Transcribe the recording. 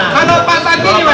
kalau pak saki gimana